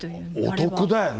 お得だよね。